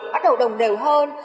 bắt đầu đồng đều hơn